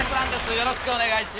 よろしくお願いします。